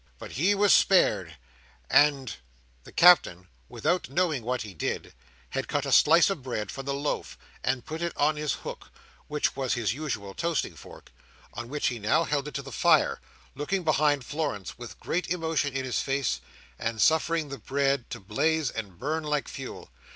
But he was spared, and—" The Captain, without knowing what he did, had cut a slice of bread from the loaf, and put it on his hook (which was his usual toasting fork), on which he now held it to the fire; looking behind Florence with great emotion in his face, and suffering the bread to blaze and burn like fuel.